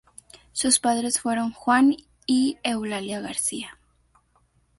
Sus padres fueron Juan y Eulalia García.